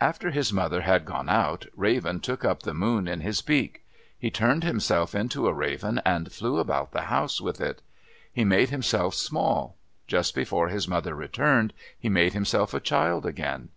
After his mother had gone out, Raven took up the moon in his beak. He turned himself into a raven and flew about the house with it. He made himself small. Just before his mother returned, he made himself a child again.